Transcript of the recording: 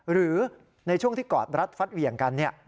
หรือในช่วงที่กอดรัดฟัดเหวี่ยงกัน